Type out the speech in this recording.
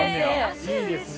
◆いいですね。